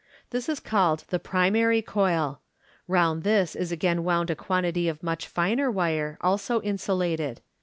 This is called the "primary " coil. Round this is again wound a quantity of much finer wire, also insulated.